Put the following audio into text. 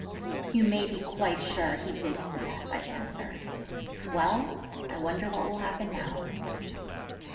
'You may be quite sure he did see us,' I answered. 'Well, I wonder what will happen now?'